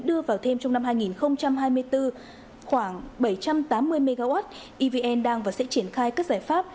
đưa vào thêm trong năm hai nghìn hai mươi bốn khoảng bảy trăm tám mươi mw evn đang và sẽ triển khai các giải pháp